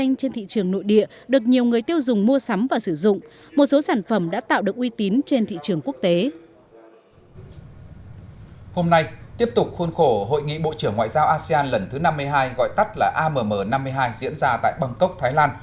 hội nghị bộ trưởng ngoại giao asean lần thứ năm mươi hai gọi tắt là amm năm mươi hai diễn ra tại bangkok thái lan